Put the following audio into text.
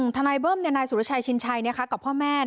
ทนายเบิ้มนายสุรชัยชินชัยกับพ่อแม่